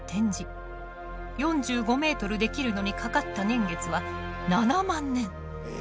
４５ｍできるのにかかった年月は７万年。